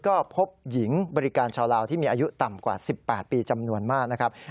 ก็พบหญิงบริการชาวลาวที่มีอายุต่ำกว่า๑๘ปีจำนวนมากนะครับ